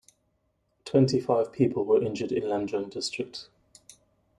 Twenty-five people were injured in Lamjung District.